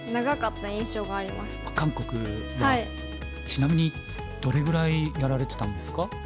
ちなみにどれぐらいやられてたんですか？